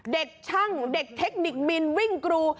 เด็กช่างเด็กเทคนิคมินวิ่งกรู